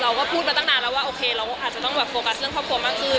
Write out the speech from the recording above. เราก็พูดมาตั้งนานแล้วว่าโอเคเราอาจจะต้องแบบโฟกัสเรื่องครอบครัวมากขึ้น